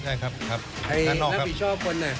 ให้นักผิดชอบคน